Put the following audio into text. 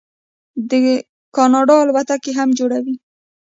کاناډا الوتکې هم جوړوي.